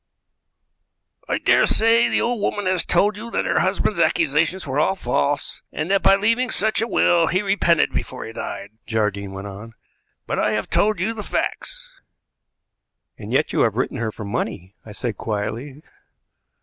"I daresay the old woman has told you that her husband's accusations were all false, and that by leaving such a will he repented before he died," Jardine went on, "but I have told you the facts." "And yet you have written to her for money," I said quietly.